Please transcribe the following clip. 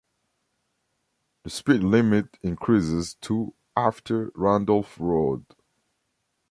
The speed limit increases to after Randolph Road.